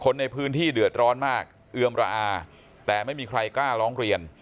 คนในพื้นที่เดือดร้อนมากเอือมระอาแต่ไม่มีใครกล้าร้องเรียน